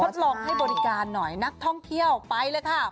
ลองให้บริการหน่อยนักท่องเที่ยวไปเลยค่ะ